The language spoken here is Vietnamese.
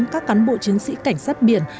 các cán bộ chiến sĩ cảnh sát biển